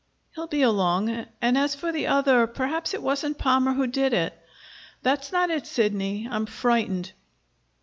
"He'll be along. And as for the other perhaps it wasn't Palmer who did it." "That's not it, Sidney. I'm frightened."